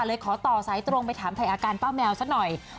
เลยขอต่อสายตรงไปถามถ่ายอาการป้าแมวซะหน่อย